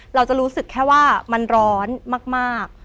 เราจะรู้สึกแค่ว่ามันร้อนมาก